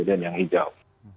dan yang hijau